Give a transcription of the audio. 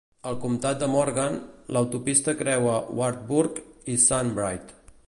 Al comtat de Morgan, l'autopista creua Wartburg i Sunbright.